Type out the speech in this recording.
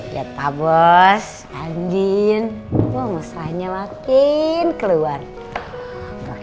yaudah ayo mandi dong